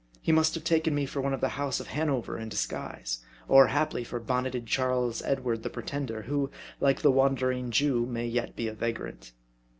He must have taken me for one of the House of Hanover in disguise ; or, haply, for bonneted Charles Edward the Pretender, who, like the Wandering Jew, may yet be a va grant.